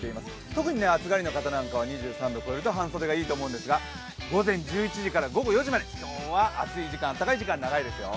特に暑がりの方は２３度を超えると半袖がいいと思うんですが午前１１時から午後４時まで今日は暖かい時間長いですよ。